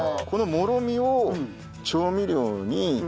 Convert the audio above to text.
このもろみを調味料に。